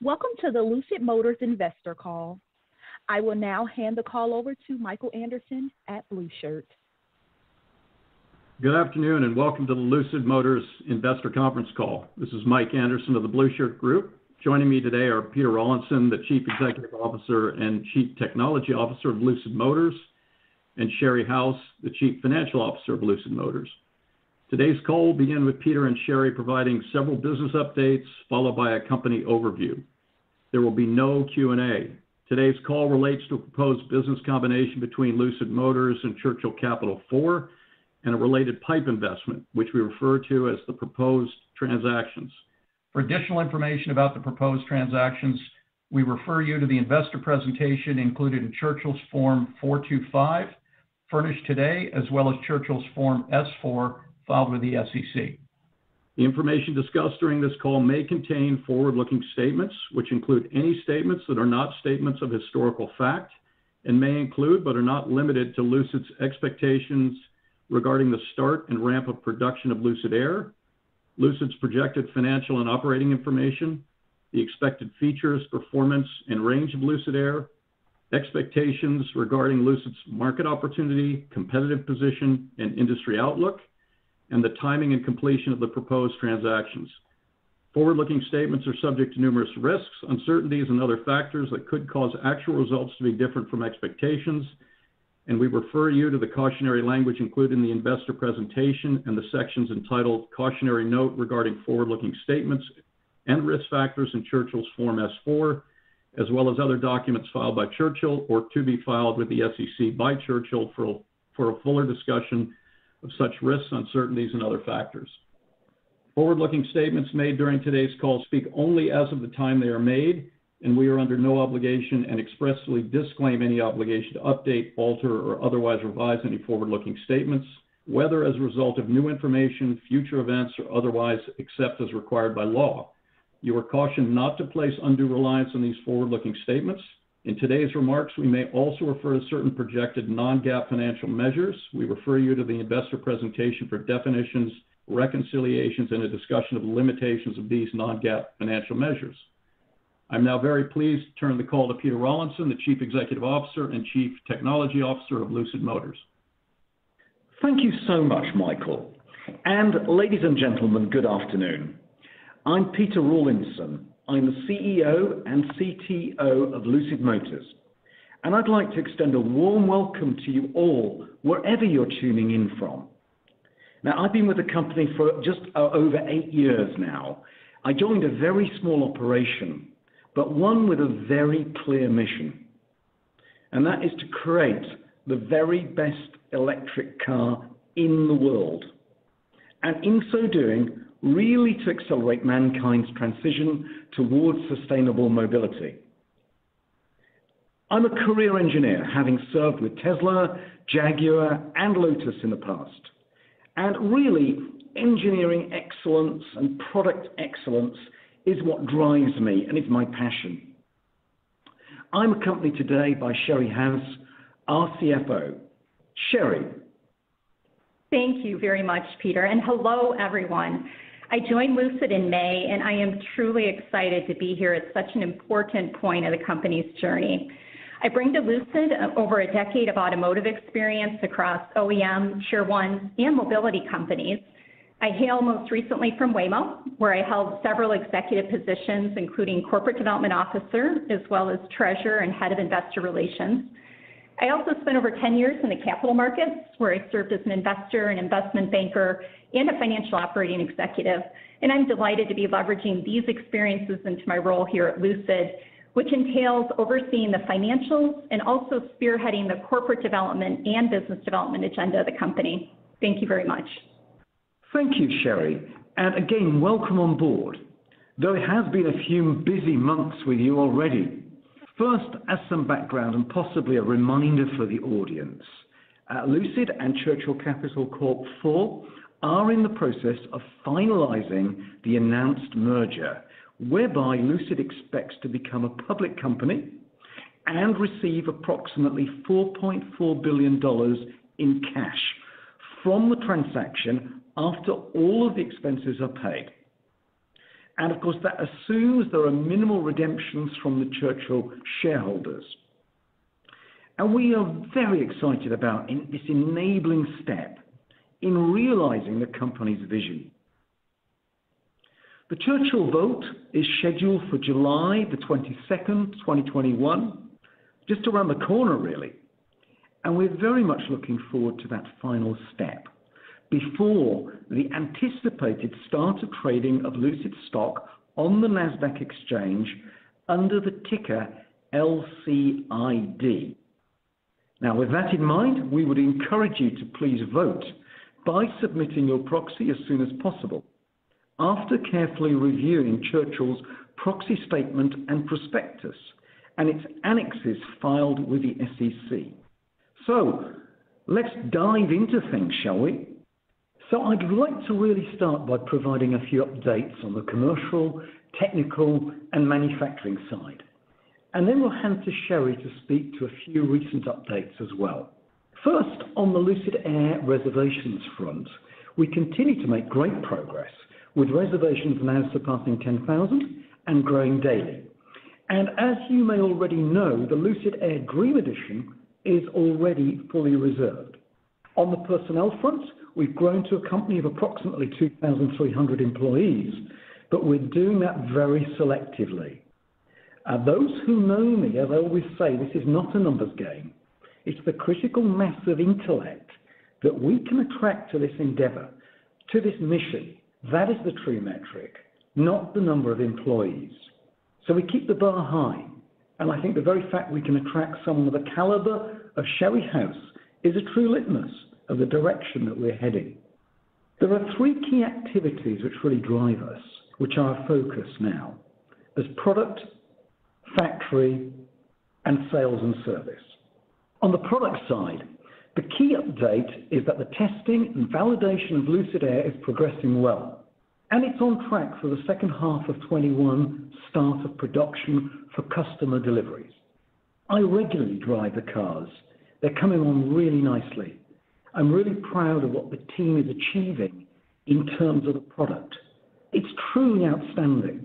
Welcome to the Lucid Motors Investor Call. I will now hand the call over to Michael Anderson at Blueshirt. Good afternoon, welcome to the Lucid Motors Investor Conference Call. This is Mike Anderson of The Blueshirt Group. Joining me today are Peter Rawlinson, the Chief Executive Officer and Chief Technology Officer of Lucid Motors, and Sherry House, the Chief Financial Officer of Lucid Motors. Today's call will begin with Peter and Sherry providing several business updates, followed by a company overview. There will be no Q&A. Today's call relates to a proposed business combination between Lucid Motors and Churchill Capital IV, and a related PIPE investment, which we refer to as the proposed transactions. For additional information about the proposed transactions, we refer you to the investor presentation included in Churchill's Form 425, furnished today, as well as Churchill's Form S-4 filed with the SEC. The information discussed during this call may contain forward-looking statements, which include any statements that are not statements of historical fact, and may include, but are not limited to, Lucid's expectations regarding the start and ramp of production of Lucid Air, Lucid's projected financial and operating information, the expected features, performance, and range of Lucid Air, expectations regarding Lucid's market opportunity, competitive position, and industry outlook, and the timing and completion of the proposed transactions. Forward-looking statements are subject to numerous risks, uncertainties, and other factors that could cause actual results to be different from expectations, and we refer you to the cautionary language included in the investor presentation in the sections entitled "Cautionary Note Regarding Forward-Looking Statements and Risk Factors" in Churchill's Form S-4, as well as other documents filed by Churchill or to be filed with the SEC by Churchill for a fuller discussion of such risks, uncertainties, and other factors. Forward-looking statements made during today's call speak only as of the time they are made, and we are under no obligation and expressly disclaim any obligation to update, alter, or otherwise revise any forward-looking statements, whether as a result of new information, future events, or otherwise, except as required by law. You are cautioned not to place undue reliance on these forward-looking statements. In today's remarks, we may also refer to certain projected non-GAAP financial measures. We refer you to the investor presentation for definitions, reconciliations, and a discussion of the limitations of these non-GAAP financial measures. I'm now very pleased to turn the call to Peter Rawlinson, the Chief Executive Officer and Chief Technology Officer of Lucid Motors. Thank you so much, Michael. Ladies and gentlemen, good afternoon. I'm Peter Rawlinson, I'm the CEO and CTO of Lucid Motors, and I'd like to extend a warm welcome to you all wherever you're tuning in from. I've been with the company for just over eight years now. I joined a very small operation, but one with a very clear mission, and that is to create the very best electric car in the world, and in so doing, really to accelerate mankind's transition towards sustainable mobility. I'm a career engineer, having served with Tesla, Jaguar, and Lotus in the past. Really, engineering excellence and product excellence is what drives me and is my passion. I'm accompanied today by Sherry House, our CFO. Sherry. Thank you very much, Peter. Hello, everyone. I joined Lucid in May, and I am truly excited to be here at such an important point in the company's journey. I bring to Lucid over a decade of automotive experience across OEM, Tier 1, and mobility companies. I hail most recently from Waymo, where I held several executive positions, including Corporate Development Officer, as well as Treasurer and Head of Investor Relations. I also spent over 10 years in the capital markets, where I served as an investor, an investment banker, and a financial operating executive. I'm delighted to be leveraging these experiences into my role here at Lucid, which entails overseeing the financials and also spearheading the corporate development and business development agenda of the company. Thank you very much. Thank you, Sherry. Again, welcome on board, though it has been a few busy months with you already. First, as some background and possibly a reminder for the audience, Lucid and Churchill Capital Corp IV are in the process of finalizing the announced merger, whereby Lucid expects to become a public company and receive approximately $4.4 billion in cash from the transaction after all of the expenses are paid. Of course, that assumes there are minimal redemptions from the Churchill shareholders. We are very excited about this enabling step in realizing the company's vision. The Churchill vote is scheduled for July the 22nd, 2021, just around the corner, really. We're very much looking forward to that final step before the anticipated start of trading of Lucid stock on the Nasdaq Exchange under the ticker LCID. With that in mind, we would encourage you to please vote by submitting your proxy as soon as possible after carefully reviewing Churchill's proxy statement and prospectus, and its annexes filed with the SEC. Let's dive into things, shall we? I'd like to really start by providing a few updates on the commercial, technical, and manufacturing side. Then we'll hand to Sherry to speak to a few recent updates as well. First, on the Lucid Air reservations front, we continue to make great progress with reservations now surpassing 10,000 and growing daily. As you may already know, the Lucid Air Dream Edition is already fully reserved. On the personnel front, we've grown to a company of approximately 2,300 employees, but we're doing that very selectively. Those who know me, as I always say, this is not a numbers game. It's the critical mass of intellect that we can attract to this endeavor, to this mission. That is the true metric, not the number of employees. We keep the bar high, and I think the very fact we can attract someone of the caliber of Sherry House is a true litmus of the direction that we're heading. There are three key activities which really drive us, which are our focus now. There's product, factory, and sales and service. On the product side, the key update is that the testing and validation of Lucid Air is progressing well, and it's on track for the second half of 2021 start of production for customer deliveries. I regularly drive the cars. They're coming along really nicely. I'm really proud of what the team is achieving in terms of the product. It's truly outstanding.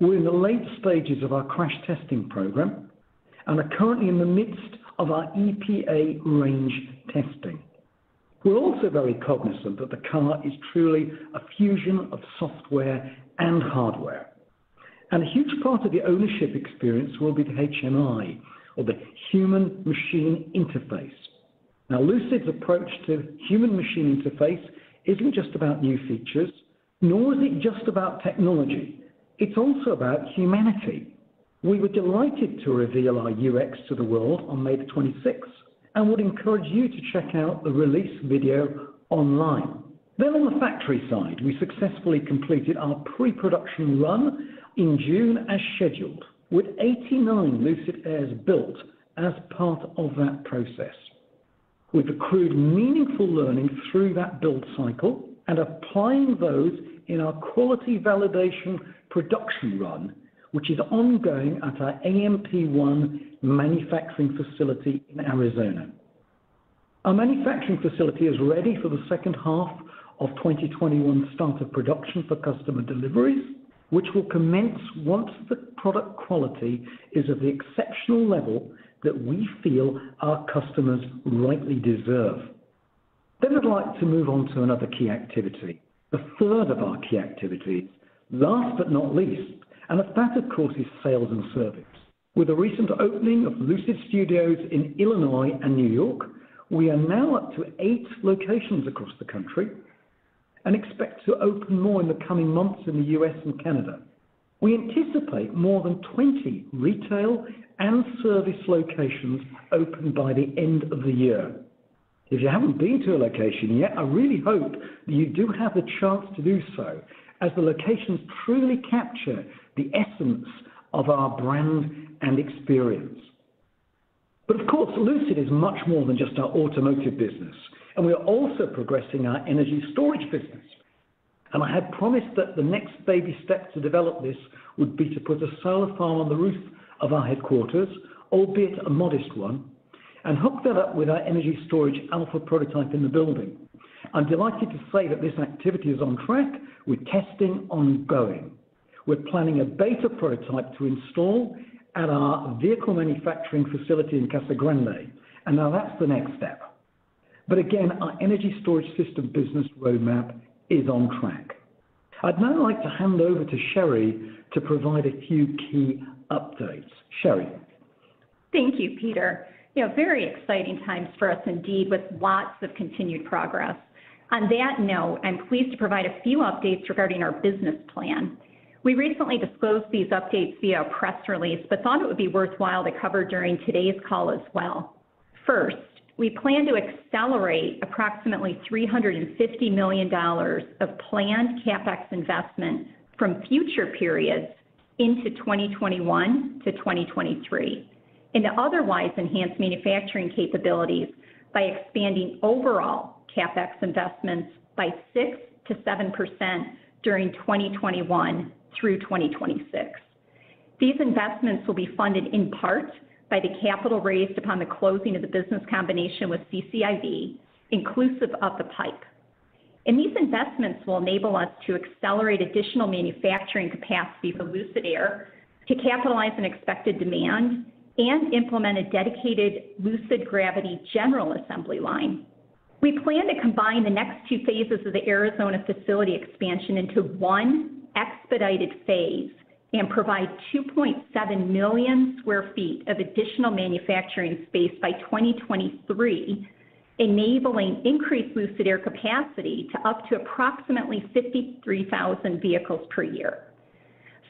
We're in the late stages of our crash testing program and are currently in the midst of our EPA range testing. We're also very cognizant that the car is truly a fusion of software and hardware, and a huge part of the ownership experience will be the HMI, or the human-machine interface. Lucid's approach to human-machine interface isn't just about new features, nor is it just about technology. It's also about humanity. We were delighted to reveal our UX to the world on May 26th and would encourage you to check out the release video online. On the factory side, we successfully completed our pre-production run in June as scheduled, with 89 Lucid Airs built as part of that process. We've accrued meaningful learning through that build cycle and applying those in our quality validation production run, which is ongoing at our AMP1 manufacturing facility in Arizona. Our manufacturing facility is ready for the second half of 2021 start of production for customer deliveries, which will commence once the product quality is of the exceptional level that we feel our customers rightly deserve. I'd like to move on to another key activity, the third of our key activities. Last but not least, and that of course, is sales and service. With the recent opening of Lucid Studios in Illinois and New York, we are now up to eight locations across the country and expect to open more in the coming months in the U.S. and Canada. We anticipate more than 20 retail and service locations open by the end of the year. If you haven't been to a location yet, I really hope that you do have the chance to do so, as the locations truly capture the essence of our brand and experience. Of course, Lucid is much more than just our automotive business, and we're also progressing our energy storage business. I had promised that the next baby step to develop this would be to put a solar farm on the roof of our headquarters, albeit a modest one, and hook that up with our energy storage alpha prototype in the building. I'm delighted to say that this activity is on track with testing ongoing. We're planning a beta prototype to install at our vehicle manufacturing facility in Casa Grande. Now that's the next step. Again, our energy storage system business roadmap is on track. I'd now like to hand over to Sherry to provide a few key updates. Sherry? Thank you, Peter. Very exciting times for us indeed with lots of continued progress. On that note, I'm pleased to provide a few updates regarding our business plan. We recently disclosed these updates via press release but thought it would be worthwhile to cover during today's call as well. First, we plan to accelerate approximately $350 million of planned CapEx investments from future periods into 2021-2023 and otherwise enhance manufacturing capabilities by expanding overall CapEx investments by 6%-7% during 2021-2026. These investments will be funded in part by the capital raised upon the closing of the business combination with CCIV, inclusive of the PIPE. These investments will enable us to accelerate additional manufacturing capacity for Lucid Air to capitalize on expected demand and implement a dedicated Lucid Gravity general assembly line. We plan to combine the next two phases of the Arizona facility expansion into one expedited phase and provide 2,700,000 sq ft of additional manufacturing space by 2023, enabling increased Lucid Air capacity to up to approximately 53,000 vehicles per year.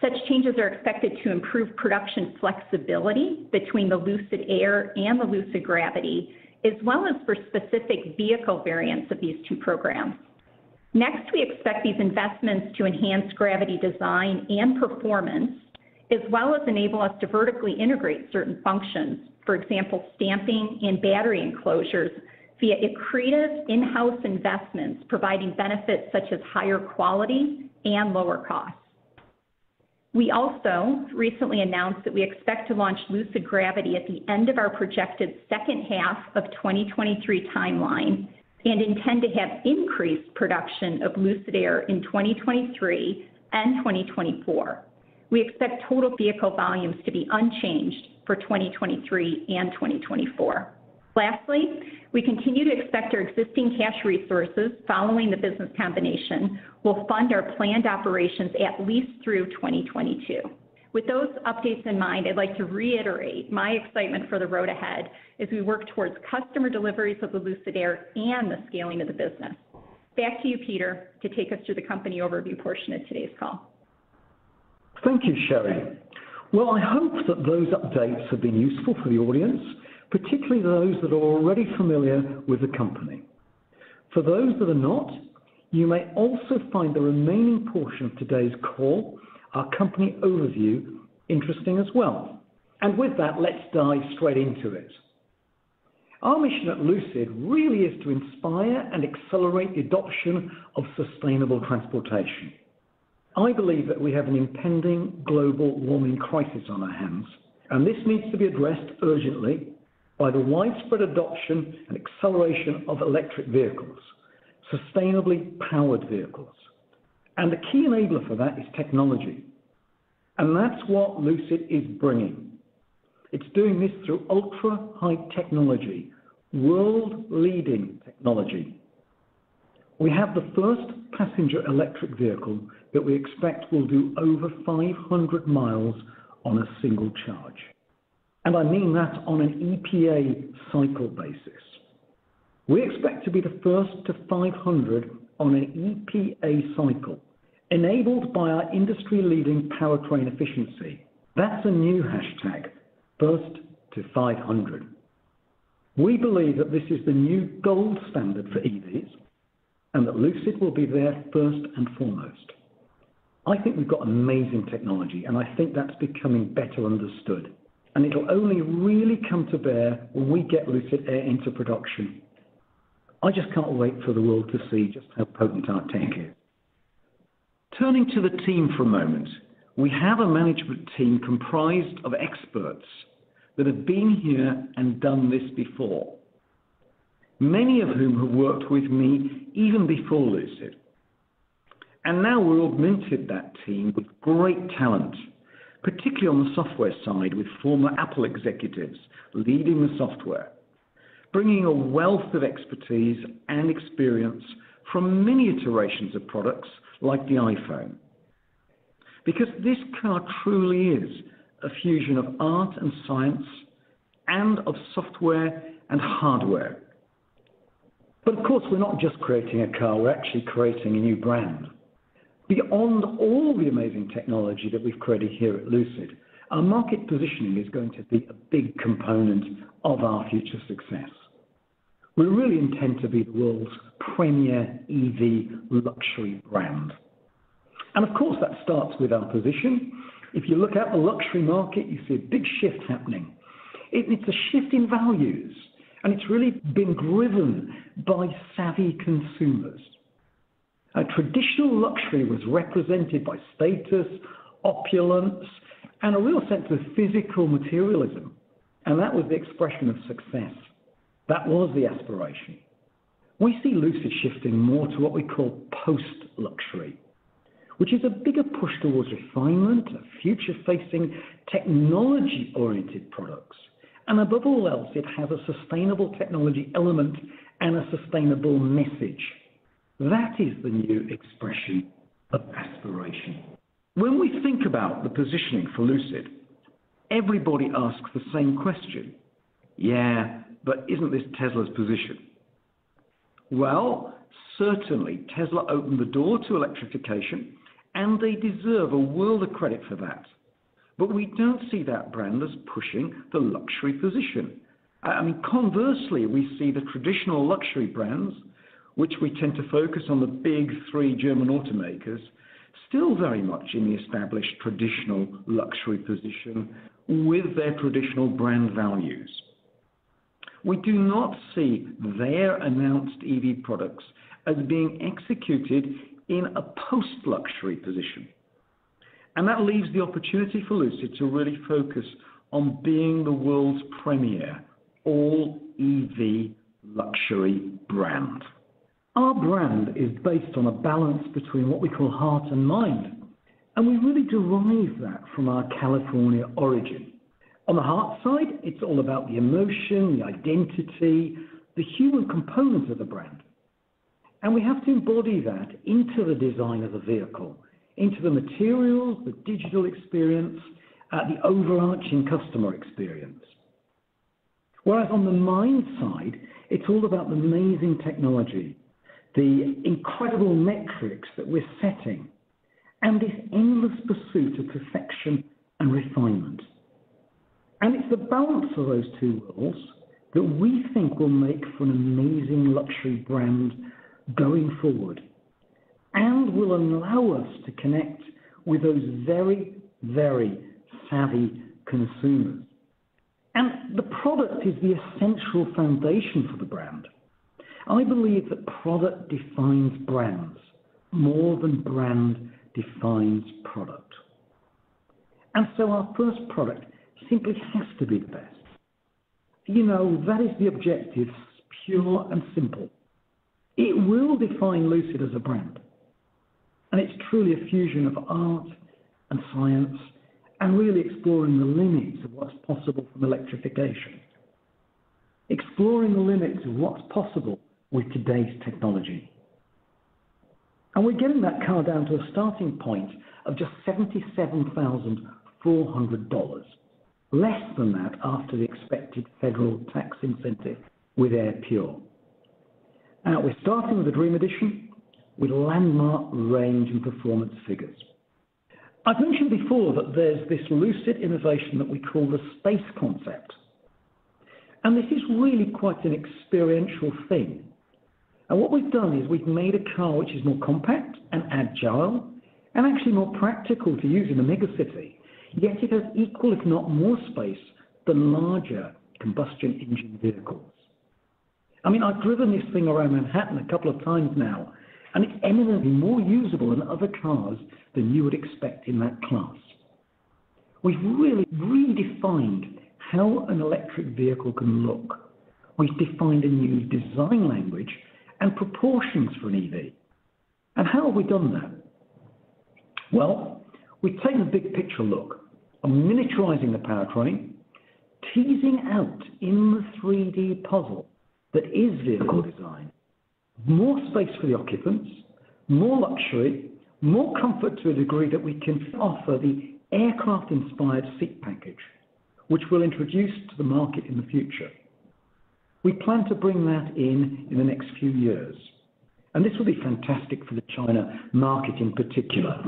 Such changes are expected to improve production flexibility between the Lucid Air and the Lucid Gravity, as well as for specific vehicle variants of these two programs. Next, we expect these investments to enhance Gravity design and performance as well as enable us to vertically integrate certain functions, for example, stamping and battery enclosures via accretive in-house investments providing benefits such as higher quality and lower cost. We also recently announced that we expect to launch Lucid Gravity at the end of our projected second half of 2023 timeline and intend to have increased production of Lucid Air in 2023 and 2024. We expect total vehicle volumes to be unchanged for 2023 and 2024. Lastly, we continue to expect our existing cash resources following the business combination will fund our planned operations at least through 2022. With those updates in mind, I'd like to reiterate my excitement for the road ahead as we work towards customer deliveries of the Lucid Air and the scaling of the business. Back to you, Peter, to take us through the company overview portion of today's call. Thank you, Sherry. Well, I hope that those updates have been useful for the audience, particularly those that are already familiar with the company. For those that are not, you may also find the remaining portion of today's call, our company overview, interesting as well. With that, let's dive straight into it. Our mission at Lucid really is to inspire and accelerate the adoption of sustainable transportation. I believe that we have an impending global warming crisis on our hands, and this needs to be addressed urgently by the widespread adoption and acceleration of electric vehicles, sustainably powered vehicles. The key enabler for that is technology, and that's what Lucid is bringing. It's doing this through ultra-high technology, world-leading technology. We have the first passenger electric vehicle that we expect will do over 500 mi on a single charge. I mean that on an EPA cycle basis. We expect to be the first to 500 on an EPA cycle, enabled by our industry-leading powertrain efficiency. That's a new hashtag, #FirstTo500. We believe that this is the new gold standard for EVs and that Lucid will be there first and foremost. I think we've got amazing technology. I think that's becoming better understood. It'll only really come to bear when we get Lucid Air into production. I just can't wait for the world to see just how potent our tech is. Turning to the team for a moment. We have a management team comprised of experts that have been here and done this before, many of whom have worked with me even before Lucid. Now we've augmented that team with great talent, particularly on the software side with former Apple executives leading the software, bringing a wealth of expertise and experience from many iterations of products like the iPhone. This car truly is a fusion of art and science and of software and hardware. Of course, we're not just creating a car, we're actually creating a new brand. Beyond all the amazing technology that we've created here at Lucid, our market positioning is going to be a big component of our future success. We really intend to be the world's premier EV luxury brand. Of course, that starts with our position. If you look at the luxury market, you see a big shift happening. It's a shift in values, and it's really been driven by savvy consumers. Now, traditional luxury was represented by status, opulence, and a real sense of physical materialism, and that was the expression of success. That was the aspiration. We see Lucid shifting more to what we call post-luxury, which is a bigger push towards refinement of future-facing, technology-oriented products. Above all else, it has a sustainable technology element and a sustainable message. That is the new expression of aspiration. When we think about the positioning for Lucid, everybody asks the same question. "Isn't this Tesla's position?" Certainly, Tesla opened the door to electrification, and they deserve a world of credit for that. We don't see that brand as pushing the luxury position. Conversely, we see the traditional luxury brands, which we tend to focus on the big three German automakers, still very much in the established traditional luxury position with their traditional brand values. We do not see their announced EV products as being executed in a post-luxury position. That leaves the opportunity for Lucid to really focus on being the world's premier all-EV luxury brand. Our brand is based on a balance between what we call heart and mind, and we really derive that from our California origin. On the heart side, it's all about the emotion, the identity, the human component of the brand. We have to embody that into the design of the vehicle, into the materials, the digital experience, and the overarching customer experience. Whereas on the mind side, it's all about amazing technology, the incredible metrics that we're setting, and this endless pursuit of perfection and refinement. It's the balance of those two worlds that we think will make for an amazing luxury brand going forward and will allow us to connect with those very, very savvy consumers. The product is the essential foundation for the brand. I believe that product defines brands more than brand defines product. Our first product simply has to be the best. That is the objective, pure and simple. It will define Lucid as a brand. It's truly a fusion of art and science, really exploring the limits of what's possible from electrification, exploring the limits of what's possible with today's technology. We're getting that car down to a starting point of just $77,400, less than that after the expected federal tax incentive with Air Pure. Now, we're starting with the Dream Edition with landmark range and performance figures. I've mentioned before that there's this Lucid innovation that we call the Space Concept, this is really quite an experiential thing. What we've done is we've made a car which is more compact and agile and actually more practical to use in a mega city. Yet it has equal, if not more space, than larger combustion engine vehicles. I've driven this thing around Manhattan a couple of times now, it's eminently more usable in other cars than you would expect in that class. We've really redefined how an electric vehicle can look. We've defined a new design language and proportions for an EV. How have we done that? Well, we've taken a big picture look on miniaturizing the powertrain, teasing out in the 3D puzzle that is vehicle design more space for the occupants, more luxury, more comfort to a degree that we can offer the aircraft-inspired seat package, which we'll introduce to the market in the future. We plan to bring that in in the next few years, and this will be fantastic for the China market in particular.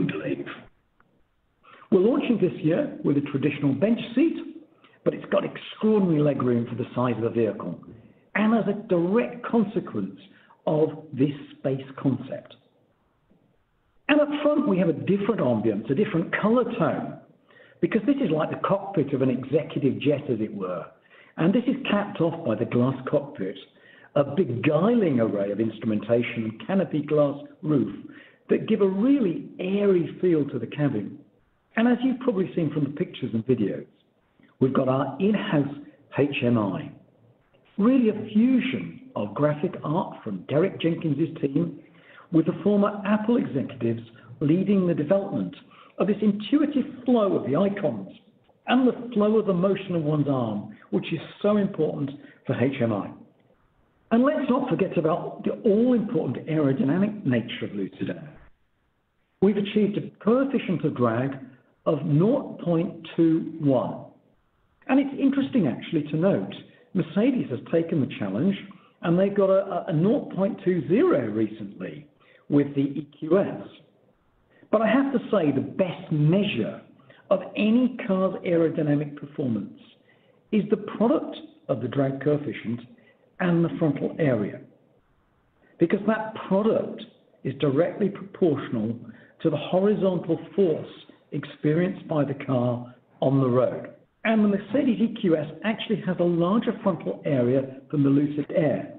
We're launching this year with a traditional bench seat, but it's got extraordinary leg room for the size of the vehicle, and as a direct consequence of this Space Concept. Up front, we have a different ambience, a different color tone, because this is like the cockpit of an executive jet, as it were. This is capped off by the glass cockpit, a beguiling array of instrumentation and canopy glass roof that give a really airy feel to the cabin. As you've probably seen from the pictures and videos, we've got our in-house HMI. It's really a fusion of graphic art from Derek Jenkins' team, with the former Apple executives leading the development of this intuitive flow of the icons and the flow of the motion of one's arm, which is so important for HMI. Let's not forget about the all-important aerodynamic nature of Lucid Air. We've achieved a coefficient for drag of 0.21. It's interesting actually to note, Mercedes has taken the challenge, and they got a 0.20 recently with the EQS. I have to say, the best measure of any car's aerodynamic performance is the product of the drag coefficient and the frontal area. That product is directly proportional to the horizontal force experienced by the car on the road. The Mercedes EQS actually has a larger frontal area than the Lucid Air.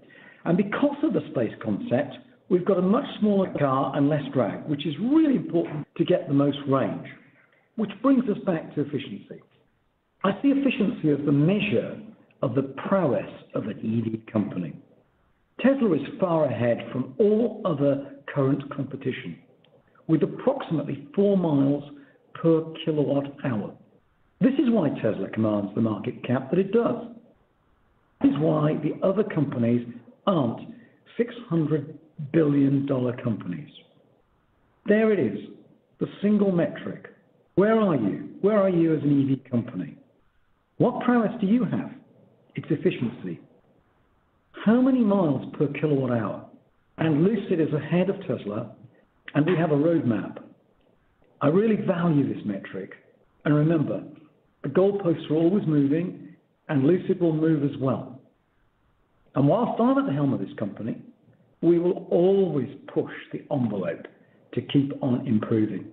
Because of the Space Concept, we've got a much smaller car and less drag, which is really important to get the most range. Which brings us back to efficiency. I see efficiency as the measure of the prowess of an EV company. Tesla is far ahead from all other current competition, with approximately 4 mi/kWh. This is why Tesla commands the market cap that it does. This is why the other companies aren't $600 billion companies. There it is, the single metric. Where are you? Where are you as an EV company? What prowess do you have? It's efficiency. How many miles per kilowatt hour? Lucid is ahead of Tesla, we have a roadmap. I really value this metric. Remember, the goalposts are always moving, Lucid will move as well. Whilst I'm at the helm of this company, we will always push the envelope to keep on improving.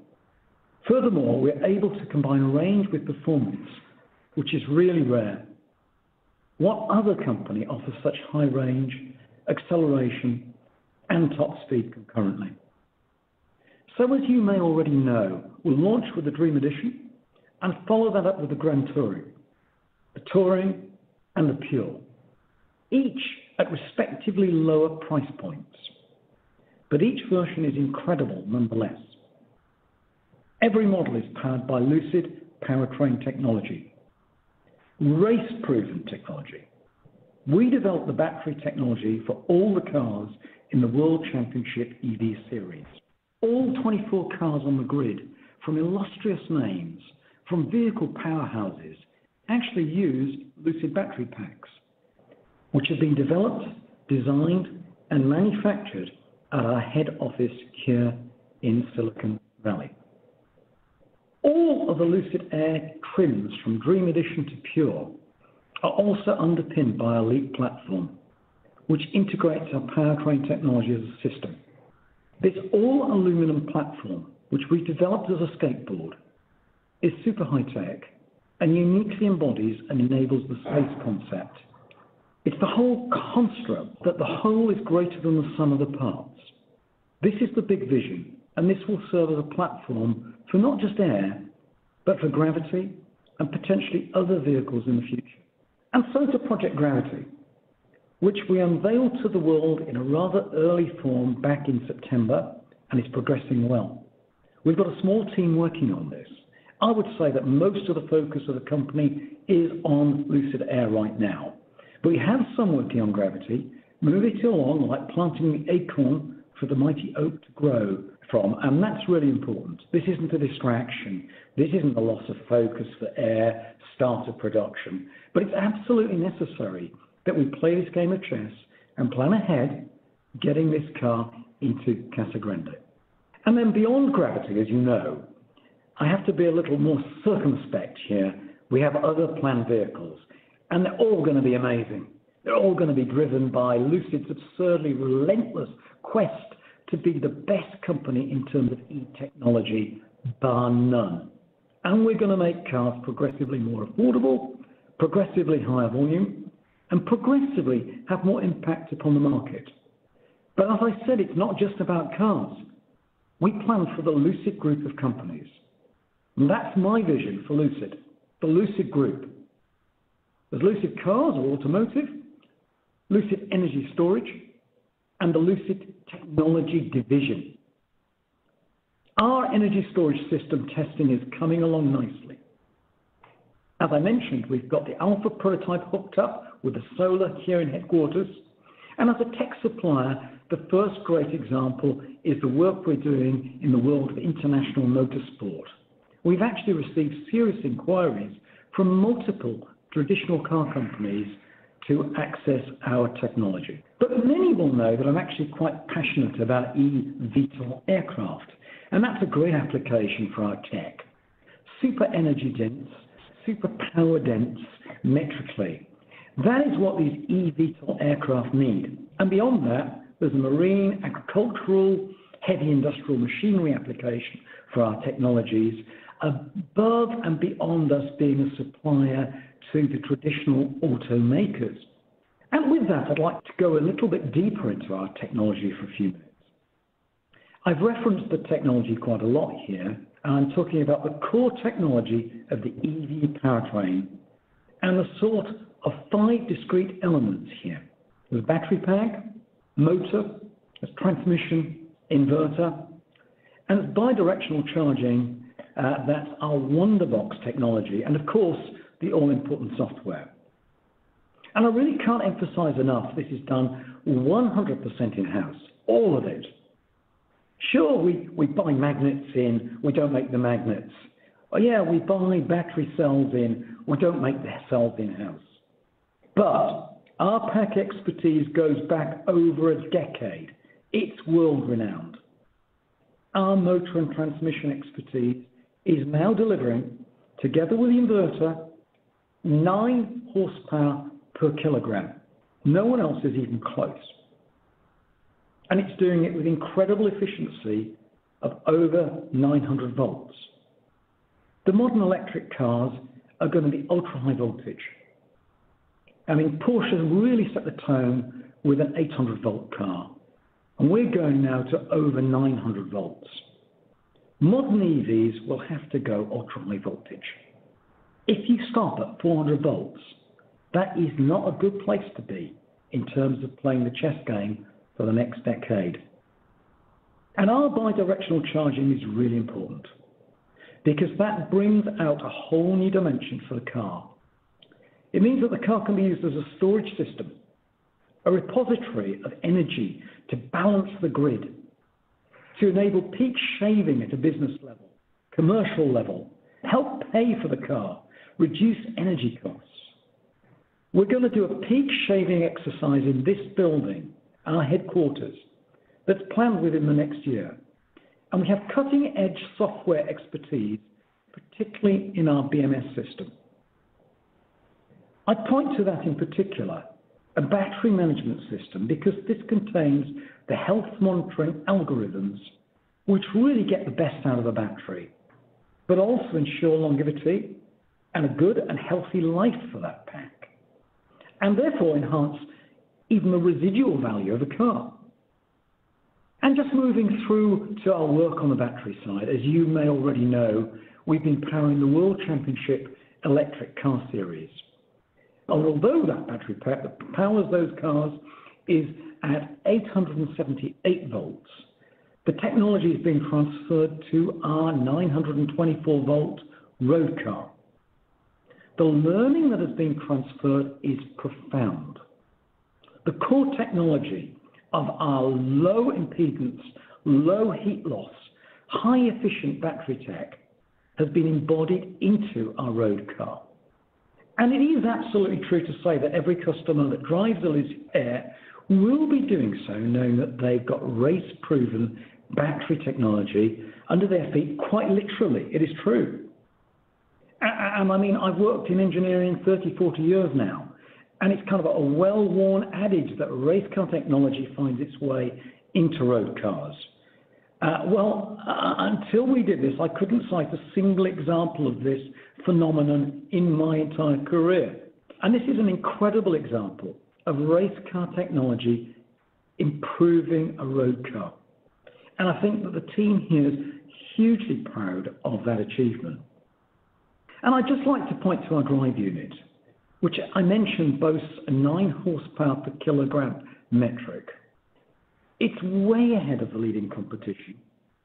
Furthermore, we're able to combine range with performance, which is really rare. What other company offers such high range, acceleration, and top speed concurrently? As you may already know, we launch with the Dream Edition and follow that up with the Grand Touring, the Touring, and the Pure, each at respectively lower price points. Each version is incredible nonetheless. Every model is powered by Lucid powertrain technology, race-proven technology. We developed the battery technology for all the cars in the World Championship EV series. All 24 cars on the grid from illustrious names, from vehicle powerhouses, actually use Lucid battery packs, which have been developed, designed, and manufactured at our head office here in Silicon Valley. All of the Lucid Air trims, from Dream Edition to Pure, are also underpinned by our LEAP platform, which integrates our powertrain technology as a system. This all-aluminum platform, which we developed as a skateboard, is super high-tech and uniquely embodies and enables the Space Concept. It's the whole construct that the whole is greater than the sum of the parts. This is the big vision, and this will serve as a platform for not just Air, but for Gravity and potentially other vehicles in the future. To Project Gravity, which we unveiled to the world in a rather early form back in September and is progressing well. We've got a small team working on this. I would say that most of the focus of the company is on Lucid Air right now. We have some working on Gravity, moving it on, like planting the acorn for the mighty oak to grow from, and that's really important. This isn't a distraction. This isn't a loss of focus for Air start of production. It's absolutely necessary that we play this game of chess and plan ahead, getting this car into Casa Grande. Beyond Gravity, as you know, I have to be a little more circumspect here, we have other planned vehicles. They're all going to be amazing. They're all going to be driven by Lucid's absurdly relentless quest to be the best company in terms of EV technology, bar none. We're going to make cars progressively more affordable, progressively higher volume, and progressively have more impact upon the market. As I said, it's not just about cars. We plan for the Lucid Group of companies. That's my vision for Lucid, the Lucid Group. There's Lucid Cars or Automotive, Lucid Energy Storage, and the Lucid Technology Division. Our energy storage system testing is coming along nicely. As I mentioned, we've got the alpha prototype hooked up with the solar here in headquarters. As a tech supplier, the first great example is the work we're doing in the world of international motorsport. We've actually received serious inquiries from multiple traditional car companies to access our technology. Many will know that I'm actually quite passionate about eVTOL aircraft, and that's a great application for our tech. Super energy-dense, super power-dense, metrically. That is what these eVTOL aircraft need. Beyond that, there's marine, agricultural, heavy industrial machinery applications for our technologies above and beyond us being a supplier to the traditional automakers. With that, I'd like to go a little bit deeper into our technology for a few minutes. I've referenced the technology quite a lot here. I'm talking about the core technology of the EV powertrain and the sort of five discrete elements here. There's a battery pack, motor, there's transmission, inverter, and it's bi-directional charging. That's our Wunderbox technology. Of course, the all-important software. I really can't emphasize enough, this is done 100% in-house, all of it. Sure, we buy magnets in. We don't make the magnets. We buy battery cells in. We don't make the cell in-house. Our pack expertise goes back over a decade. It's world-renowned. Our motor and transmission expertise is now delivering, together with the inverter, 9 hp/kg. No one else is even close. It's doing it with incredible efficiency of over 900 V. The modern electric cars are going to be ultra-high voltage. I mean, Porsche really set the tone with an 800-volt car, and we're going now to over 900 V. Modern EVs will have to go ultra-high voltage. If you start at 400 V, that is not a good place to be in terms of playing the chess game for the next decade. Our bi-directional charging is really important because that brings out a whole new dimension for the car. It means that the car can be used as a storage system, a repository of energy to balance the grid, to enable peak shaving at a business level, commercial level, help pay for the car, reduce energy costs. We're going to do a peak shaving exercise in this building, our headquarters, that's planned within the next year. We have cutting-edge software expertise, particularly in our BMS system. I point to that in particular, a battery management system, because this contains the health monitoring algorithms which really get the best out of the battery, but also ensure longevity and a good and healthy life for that pack, and therefore enhance even the residual value of the car. Just moving through to our work on the battery side, as you may already know, we've been powering the World Championship Electric Car Series. Although that battery pack that powers those cars is at 878 V, the technology is being transferred to our 924-volt road car. The learning that has been transferred is profound. The core technology of our low impedance, low heat loss, high efficient battery tech has been embodied into our road car. It is absolutely true to say that every customer that drives a Lucid Air will be doing so knowing that they've got race-proven battery technology under their feet, quite literally. It is true. I've worked in engineering 30, 40 years now, and it's kind of a well-worn adage that race car technology finds its way into road cars. Well, until we did this, I couldn't cite a single example of this phenomenon in my entire career. This is an incredible example of race car technology improving a road car. I think that the team here is hugely proud of that achievement. I'd just like to point to our drive unit, which I mentioned boasts a 9 hp/kg metric. It's way ahead of the leading competition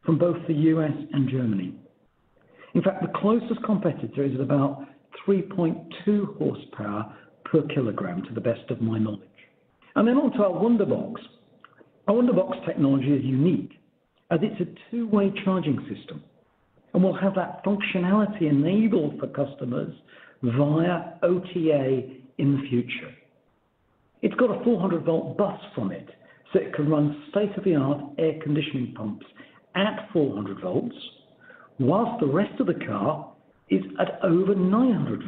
from both the U.S. and Germany. In fact, the closest competitor is about 3.2 hp/kg, to the best of my knowledge. Then onto our Wunderbox. Our Wunderbox technology is unique as it's a two-way charging system, and we'll have that functionality enabled for customers via OTA in the future. It's got a 400-volt bus on it, so it can run state-of-the-art air conditioning pumps at 400 V, whilst the rest of the car is at over 900 V.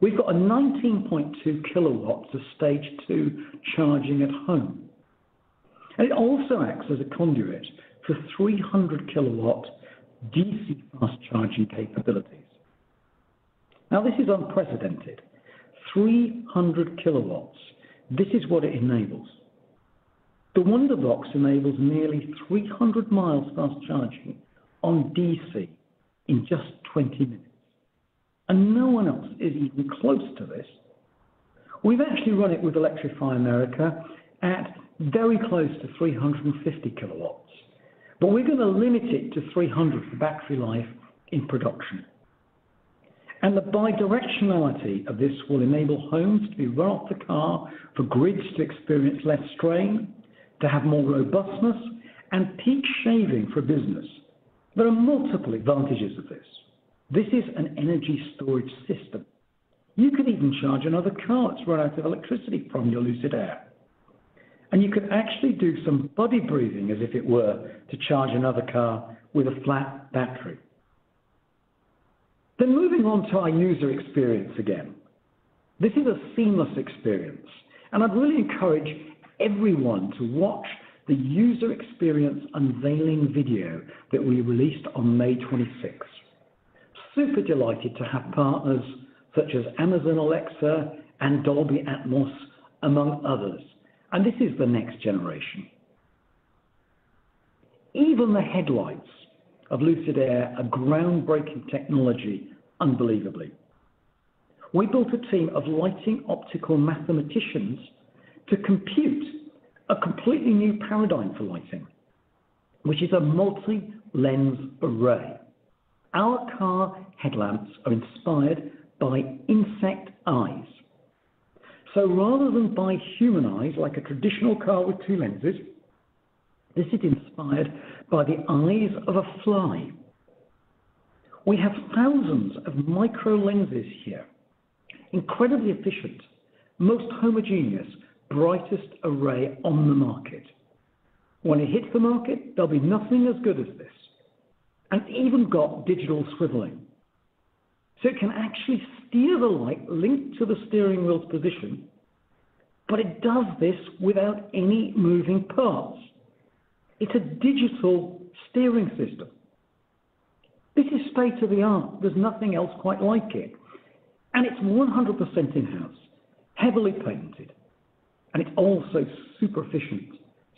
We've got 19.2 kW of stage two charging at home, and it also acts as a conduit for 300 kW DC fast charging capabilities. This is unprecedented, 300 kW. This is what it enables. The Wunderbox enables nearly 300 mi of fast charging on DC in just 20 minutes, no one else is even close to this. We've actually run it with Electrify America at very close to 350 kW, we're going to limit it to 300 for battery life in production. The bidirectionality of this will enable homes to be off the car, for grids to experience less strain, to have more robustness, and peak shaving for business. There are multiple advantages of this. This is an energy storage system. You can even charge another car to derive electricity from your Lucid Air. You could actually do some buddy breathing, as if it were, to charge another car with a flat battery. Moving on to our user experience again. This is a seamless experience. I'd really encourage everyone to watch the user experience unveiling video that we released on May 26th. Super delighted to have partners such as Amazon Alexa and Dolby Atmos, among others. This is the next generation. Even the headlights of Lucid Air are groundbreaking technology, unbelievably. We built a team of lighting optical mathematicians to compute a completely new paradigm for lighting, which is a multi-lens array. Our car headlamps are inspired by insect eyes. Rather than by human eyes like a traditional car with two lenses, this is inspired by the eyes of a fly. We have thousands of micro lenses here, incredibly efficient, most homogeneous, brightest array on the market. When it hits the market, there'll be nothing as good as this. It even got digital swiveling. It can actually steer the light linked to the steering wheel's position, but it does this without any moving parts. It's a digital steering system. This is state of the art. There's nothing else quite like it. It's 100% in-house, heavily patented, and also super efficient.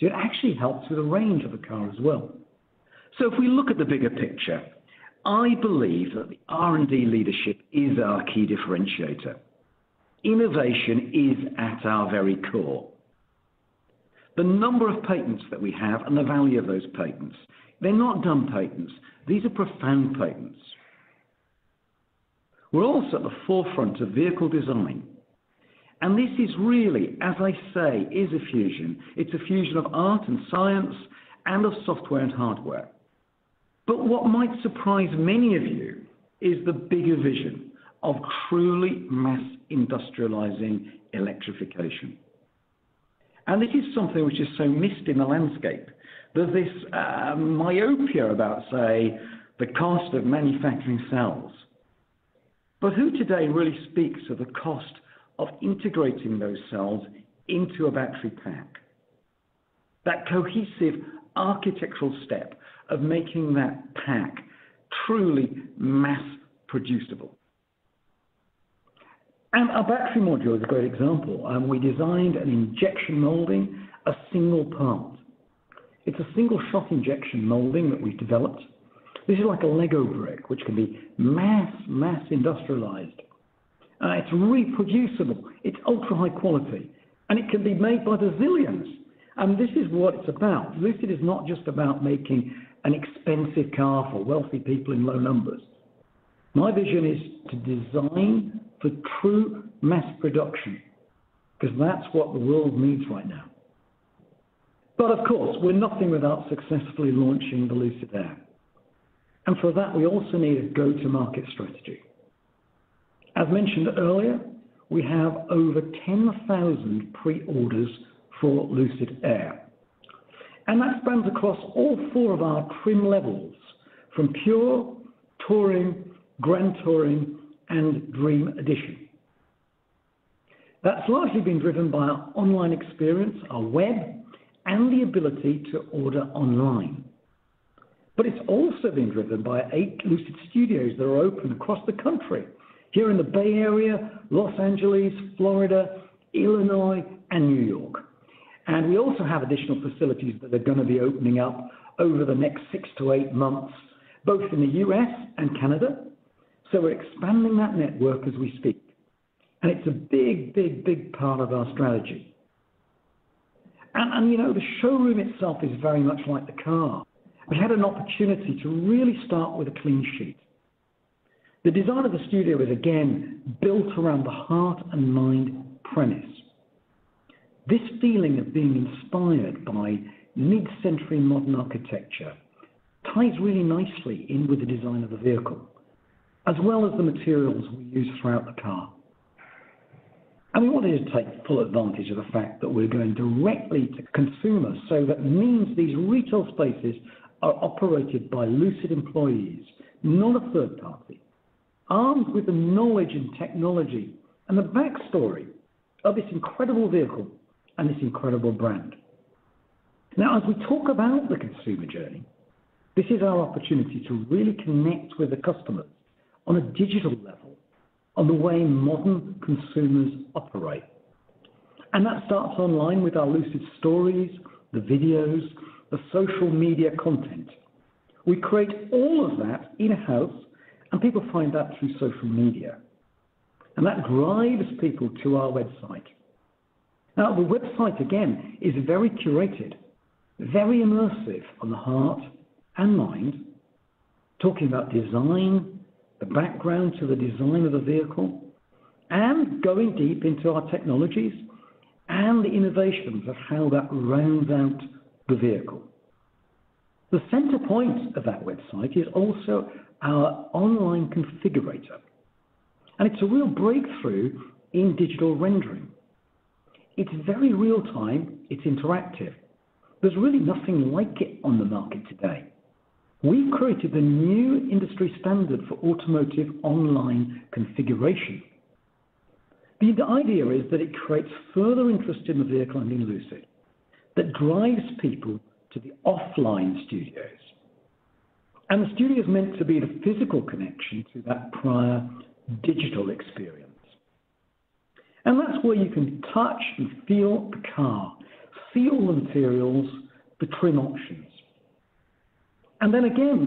It actually helps with the range of the car as well. If we look at the bigger picture, I believe that the R&D leadership is our key differentiator. Innovation is at our very core. The number of patents that we have and the value of those patents, they're not dumb patents. These are profound patents. We're also at the forefront of vehicle design, and this is really, as I say, is a fusion. It's a fusion of art and science and of software and hardware. What might surprise many of you is the bigger vision of truly mass industrializing electrification. It is something which is so missed in the landscape. There's this myopia about, say, the cost of manufacturing cells. Who today really speaks of the cost of integrating those cells into a battery pack? That cohesive architectural step of making that pack truly mass producible. Our battery module is a great example. We designed an injection molding, a single part. It's a single shot injection molding that we've developed. This is like a Lego brick, which will be mass industrialized. It's reproducible, it's ultra-high quality, and it can be made by the zillions. This is what it's about. Lucid is not just about making an expensive car for wealthy people in low numbers. My vision is to design for true mass production, because that's what the world needs right now. Of course, we're nothing without successfully launching the Lucid Air. For that, we also need a go-to-market strategy. As mentioned earlier, we have over 10,000 pre-orders for Lucid Air. That's spread across all four of our trim levels, from Pure, Touring, Grand Touring, and Dream Edition. That's largely been driven by our online experience, our web, and the ability to order online. It's also been driven by eight Lucid Studios that are open across the country, here in the Bay Area, Los Angeles, Florida, Illinois, and New York. We also have additional facilities that are going to be opening up over the next six to eight months, both in the U.S. and Canada. We're expanding that network as we speak, and it's a big, big, big part of our strategy. The showroom itself is very much like the car. We had an opportunity to really start with a clean sheet. The design of the studio is, again, built around the heart and mind premise. This feeling of being inspired by mid-century modern architecture ties really nicely in with the design of the vehicle, as well as the materials we use throughout the car. We wanted to take full advantage of the fact that we're going directly to consumers. That means these retail spaces are operated by Lucid employees, not a third party, armed with the knowledge and technology and the backstory of this incredible vehicle and this incredible brand. Now, as we talk about the consumer journey, this is our opportunity to really connect with the customer on a digital level on the way modern consumers operate. That starts online with our Lucid Studios, the videos, the social media content. We create all of that in-house, people find that through social media. That drives people to our website. Now, the website, again, is very curated, very immersive on the heart and mind, talking about design, the background to the design of the vehicle, and going deep into our technologies and the innovations of how that rounds out the vehicle. The center point of that website is also our online configurator, it's a real breakthrough in digital rendering. It's very real-time. It's interactive. There's really nothing like it on the market today. We've created the new industry standard for automotive online configuration. The idea is that it creates further interest in the vehicle and in Lucid that drives people to the offline studios. The studio is meant to be the physical connection to that prior digital experience. That's where you can touch and feel the car, feel the materials between options.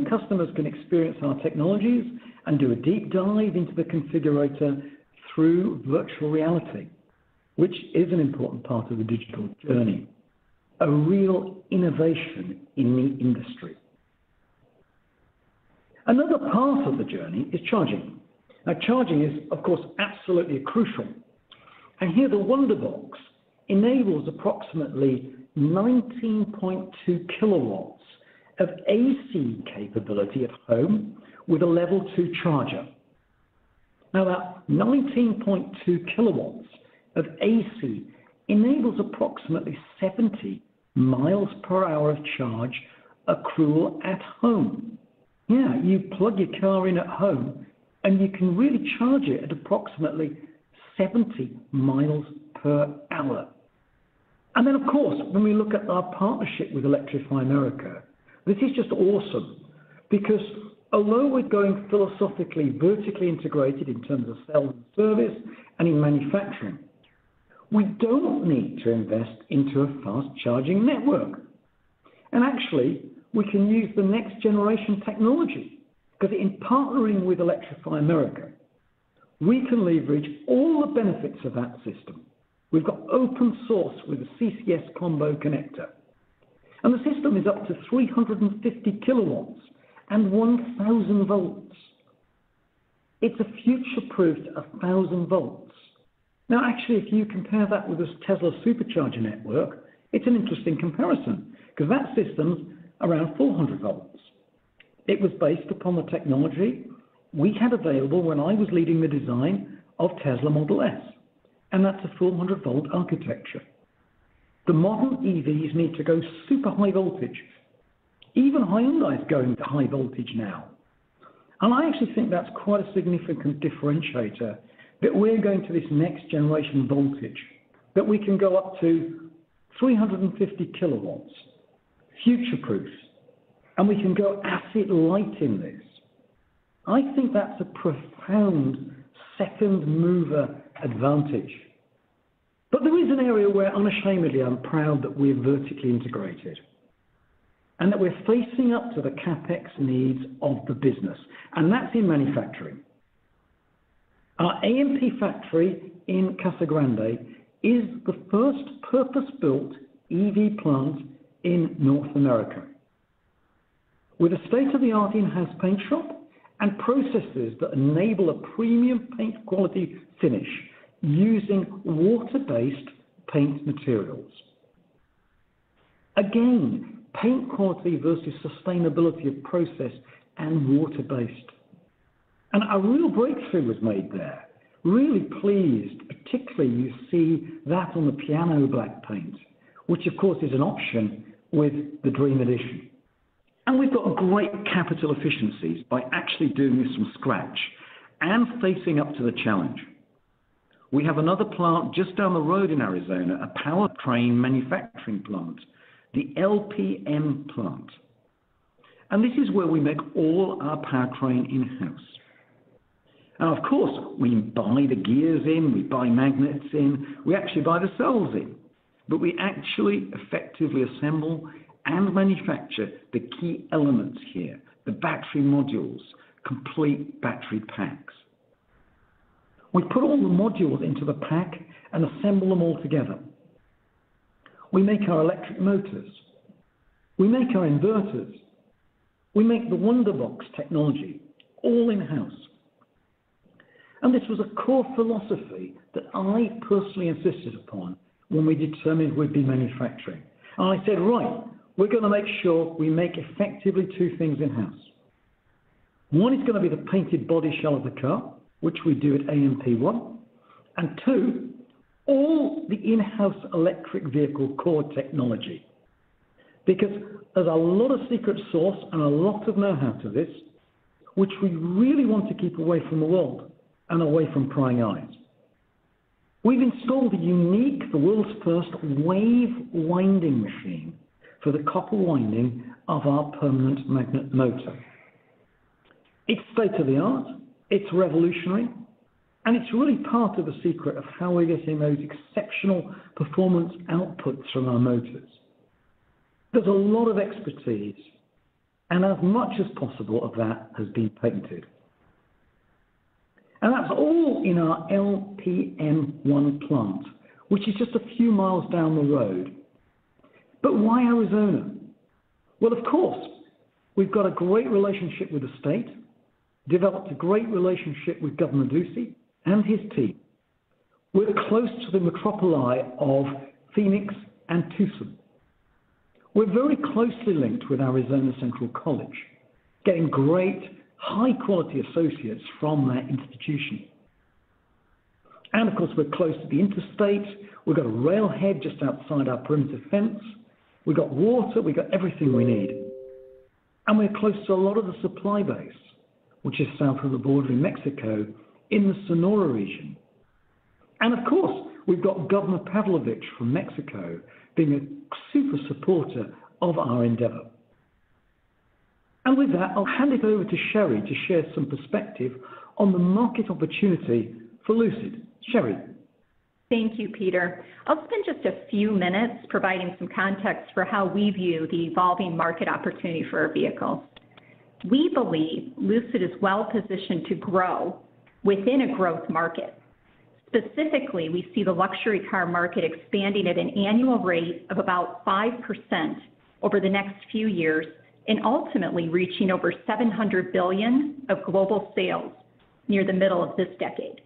Customers can experience our technologies and do a deep dive into the configurator through virtual reality, which is an important part of the digital journey. A real innovation in the industry. Another part of the journey is charging. Charging is, of course, absolutely crucial. The Wunderbox enables approximately 19.2 kW of AC capability at home with a Level 2 charger. That 19.2 kW of AC enables approximately 70 mph of charge accrual at home. You plug your car in at home, and you can really charge it at approximately 70 mph. Then, of course, when we look at our partnership with Electrify America, this is just awesome because although we're going philosophically vertically integrated in terms of sales and service and in manufacturing, we don't need to invest into a fast-charging network. Actually, we can use the next-generation technology because in partnering with Electrify America, we can leverage all the benefits of that system. We've got open source with a CCS Combo connector, and the system is up to 350 kW and 1,000 V. It's future-proofed at 1,000 V. Actually, if you compare that with the Tesla Supercharger network, it's an interesting comparison because that system is around 400 V. It was based upon the technology we had available when I was leading the design of Tesla Model S, and that's a 400-volt architecture. The modern EVs need to go super high voltage. Even Hyundai is going with high voltage now. I actually think that's quite a significant differentiator that we're going to this next-generation voltage that we can go up to 350 kW future-proofed, and we can go asset-light in this. I think that's a profound second-mover advantage. There is an area where unashamedly I'm proud that we're vertically integrated and that we're facing up to the CapEx needs of the business, and that's in manufacturing. Our AMP factory in Casa Grande is the first purpose-built EV plant in North America with a state-of-the-art in-house paint shop and processes that enable a premium paint quality finish using water-based paint materials. Again, paint quality versus sustainability of process and water-based. A real breakthrough was made there. Really pleased. Particularly you see that on the piano black paint, which of course is an option with the Dream Edition. We've got great capital efficiencies by actually doing this from scratch and facing up to the challenge. We have another plant just down the road in Arizona, a powertrain manufacturing plant, the LPM plant. This is where we make all our powertrain in-house. Now, of course, we buy the gears in, we buy magnets in, we actually buy the cells in. We actually effectively assemble and manufacture the key elements here, the battery modules, complete battery packs. We put all the modules into the pack and assemble them all together. We make our electric motors, we make our inverters, we make the Wunderbox technology all in-house. This was a core philosophy that I personally insisted upon when we determined we'd be manufacturing. I said, "Right, we're going to make sure we make effectively two things in-house. One is going to be the painted body shell of the car, which we do at AMP1, and two, all the in-house electric vehicle core technology." There's a lot of secret sauce and a lot of know-how to this, which we really want to keep away from the world and away from prying eyes. We've installed the unique, the world's first wave winding machine for the copper winding of our permanent magnet motor. It's state of the art, it's revolutionary, and it's really part of the secret of how we're getting those exceptional performance outputs from our motors. There's a lot of expertise, and as much as possible of that has been patented. That's all in our LPM1 plant, which is just a few miles down the road. Why Arizona? Well, of course, we've got a great relationship with the state, developed a great relationship with Governor Ducey and his team. We're close to the metropoli of Phoenix and Tucson. We're very closely linked with Central Arizona College, getting great high-quality associates from that institution. Of course, we've got a rail head just outside our perimeter fence. We've got water. We've got everything we need. We're close to a lot of the supply base, which is south of the border in Mexico, in the Sonora region. Of course, we've got Governor Pavlovich from Mexico being a super supporter of our endeavor. With that, I'll hand it over to Sherry to share some perspective on the market opportunity for Lucid. Sherry? Thank you, Peter. I'll spend just a few minutes providing some context for how we view the evolving market opportunity for our vehicles. We believe Lucid is well-positioned to grow within a growth market. Specifically, we see the luxury car market expanding at an annual rate of about 5% over the next few years, and ultimately reaching over $700 billion of global sales near the middle of this decade.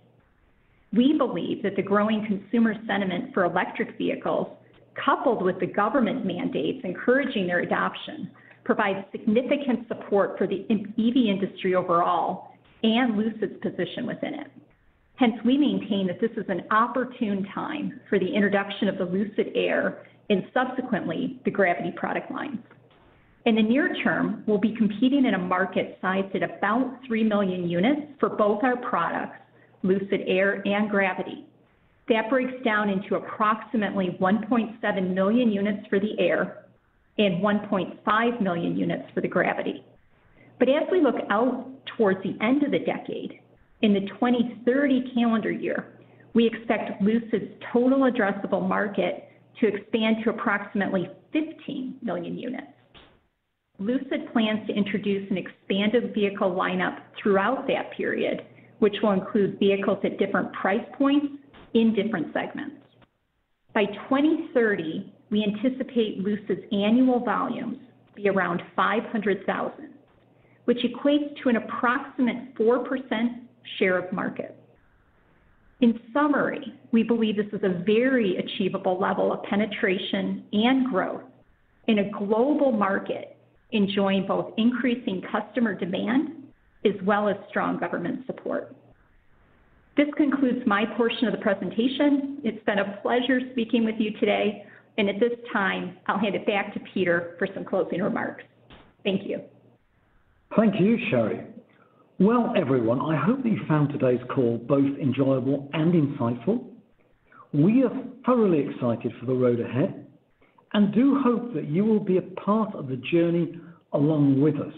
We believe that the growing consumer sentiment for electric vehicles, coupled with the government mandates encouraging their adoption, provides significant support for the EV industry overall and Lucid's position within it. Hence, we maintain that this is an opportune time for the introduction of the Lucid Air and subsequently, the Gravity product lines. In the near term, we'll be competing in a market sized at about 3 million units for both our products, Lucid Air and Gravity. That breaks down into approximately 1.7 million units for the Lucid Air and 1.5 million units for the Lucid Gravity. As we look out towards the end of the decade, in the 2030 calendar year, we expect Lucid Group's total addressable market to expand to approximately 15 million units. Lucid Group plans to introduce an expanded vehicle lineup throughout that period, which will include vehicles at different price points in different segments. By 2030, we anticipate Lucid Group's annual volumes to be around 500,000, which equates to an approximate 4% share of market. In summary, we believe this is a very achievable level of penetration and growth in a global market enjoying both increasing customer demand as well as strong government support. This concludes my portion of the presentation. It's been a pleasure speaking with you today, and at this time, I'll hand it back to Peter for some closing remarks. Thank you. Thank you, Sherry. Well, everyone, I hope you found today's call both enjoyable and insightful. We are thoroughly excited for the road ahead and do hope that you will be a part of the journey along with us.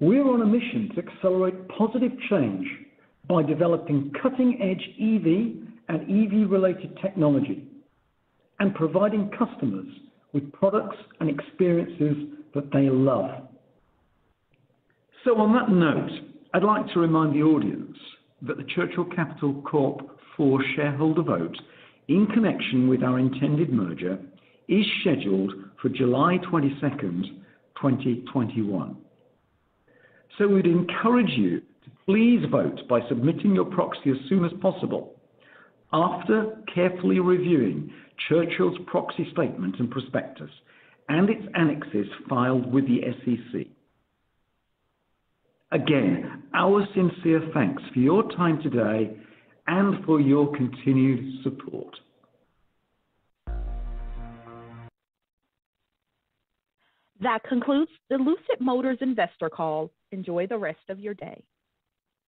We are on a mission to accelerate positive change by developing cutting-edge EV and EV-related technology and providing customers with products and experiences that they love. On that note, I'd like to remind the audience that the Churchill Capital Corp IV shareholder vote in connection with our intended merger is scheduled for July 22nd, 2021. We'd encourage you to please vote by submitting your proxy as soon as possible after carefully reviewing Churchill's proxy statement and prospectus and its annexes filed with the SEC. Again, our sincere thanks for your time today and for your continued support. That concludes the Lucid Motors Investor Call. Enjoy the rest of your day.